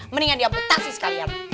mendingan di amputasi sekalian